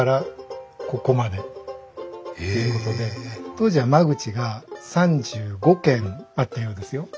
当時は間口が３５間あったようですよ。